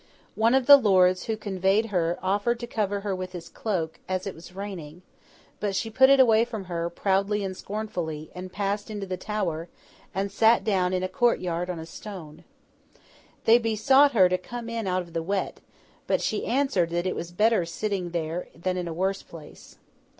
One of the lords who conveyed her offered to cover her with his cloak, as it was raining, but she put it away from her, proudly and scornfully, and passed into the Tower, and sat down in a court yard on a stone. They besought her to come in out of the wet; but she answered that it was better sitting there, than in a worse place.